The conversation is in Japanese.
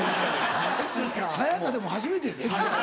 さや香でも初めてやで。